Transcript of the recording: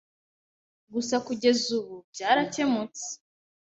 Gusa kugeza ubu byarakemutse